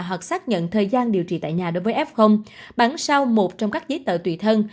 hoặc xác nhận thời gian điều trị tại nhà đối với f bản sao một trong các giấy tờ tùy thân